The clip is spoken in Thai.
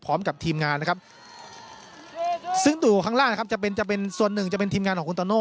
พร้อมกับทีมงานนะครับซึ่งตู่ข้างล่างนะครับจะเป็นจะเป็นส่วนหนึ่งจะเป็นทีมงานของคุณโตโน่